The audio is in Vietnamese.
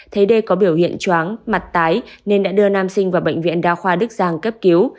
thấy đê có biểu hiện chóng mặt tái nên đã đưa nam sinh vào bệnh viện đa khoa đức giang cấp cứu